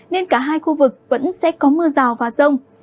nên cả hai khu vực vẫn sẽ có mưa rào và rông